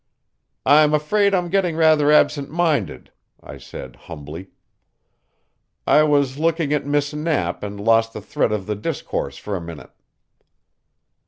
"I'm afraid I'm getting rather absent minded," I said humbly. "I was looking at Miss Knapp and lost the thread of the discourse for a minute."